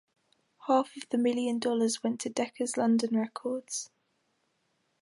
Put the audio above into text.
Half of the millon dollars went to Decca's London Records.